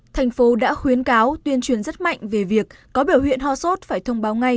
thành phố đã khuyến cáo tuyên truyền rất mạnh về việc có biểu hiện ho sốt phải thông báo ngay